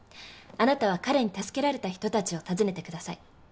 あなたは彼に助けられた人たちを訪ねてください。